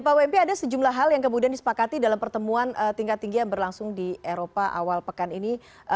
pak wempi ada sejumlah hal yang kemudian disepakati dalam pertemuan tingkat tinggi yang berlangsung di eropa awal pekan ini